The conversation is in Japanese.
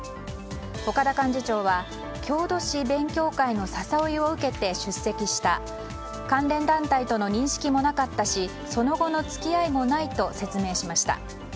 岡田幹事長は郷土史勉強会の誘いを受けて出席した関連団体との認識もなかったしその後の付き合いもないと説明しました。